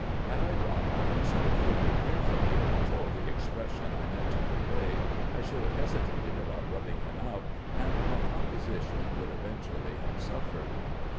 Had I drawn my principal figure carefully, with all the expression I meant to convey, I should have hesitated about rubbing him out, and my composition would eventually have suffered.